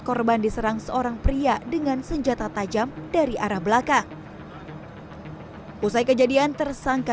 korban diserang seorang pria dengan senjata tajam dari arah belakang usai kejadian tersangka